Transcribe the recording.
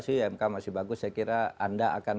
sih mk masih bagus saya kira anda akan